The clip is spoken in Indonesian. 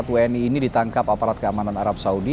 empat wni ini ditangkap aparat keamanan arab saudi